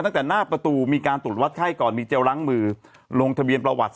ตั้งแต่หน้าประตูมีการตรวจวัดไข้ก่อนมีเจลล้างมือลงทะเบียนประวัติ